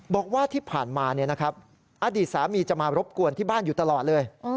บอกว่าที่ผ่านมาอดีตสามีจะมารบกวนที่บ้านอยู่ตลอดเลย